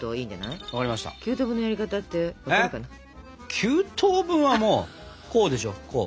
９等分はもうこうでしょこう。